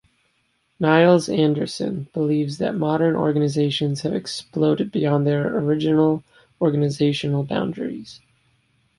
Niels Andersen believes that modern organizations have exploded beyond their original organizational boundaries.